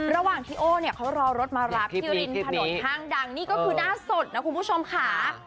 ระหว่างที่โอ้เนี่ยเขารอรถมารับที่ริมถนนห้างดังนี่ก็คือหน้าสดนะคุณผู้ชมค่ะ